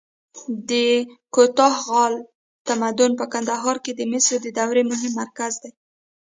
د کوتاه غال تمدن په کندهار کې د مسو د دورې مهم مرکز و